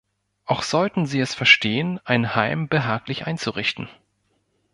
Auch sollten sie es verstehen, ein Heim behaglich einzurichten.